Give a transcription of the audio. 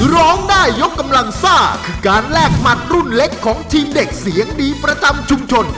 ร้องได้ยกกำลังซ่าคือการแลกหมัดรุ่นเล็กของทีมเด็กเสียงดีประจำชุมชน